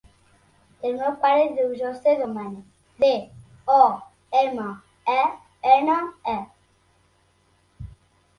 El meu pare es diu José Domene: de, o, ema, e, ena, e.